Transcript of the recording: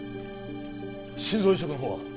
心臓移植の方は？